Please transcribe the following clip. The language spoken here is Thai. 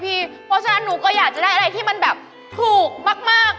เพราะฉะนั้นหนูก็อยากจะได้อะไรที่มันแบบถูกมาก